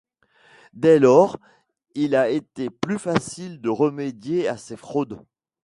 Dès lors, il a été plus facile de remédier à ces fraudes.